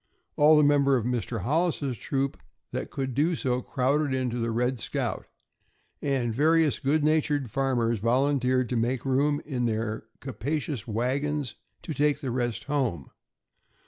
All the members of Mr. Hollis's troop that could do so crowded into the "Red Scout," and various good natured farmers volunteered to make room in their capacious wagons and take the rest home.